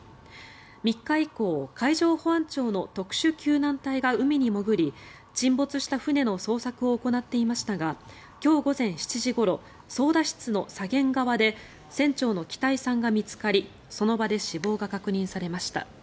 ３日以降、海上保安庁の特殊救難隊が海に潜り沈没した船の捜索を行っていましたが今日午前７時ごろ操舵室の左舷側で船長の北井さんが見つかりその場で死亡が確認されました。